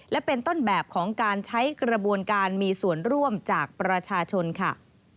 และเป็นต้นแบบของการใช้กระบวนการมีส่วนร่วมจากประชาชนค่ะ